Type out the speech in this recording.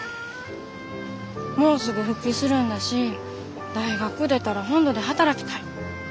もうすぐ復帰するんだし大学出たら本土で働きたい。